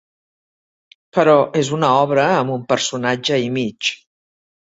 Però és una obra amb un personatge i mig.